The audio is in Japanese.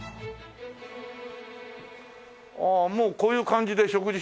ああもうこういう感じで食事してたの？